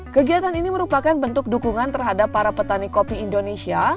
kegiatan ini merupakan bentuk dukungan terhadap para petani kopi indonesia